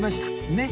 ねっ！